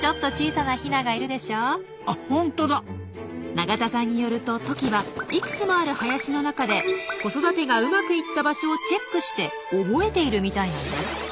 永田さんによるとトキはいくつもある林の中で子育てがうまくいった場所をチェックして覚えているみたいなんです。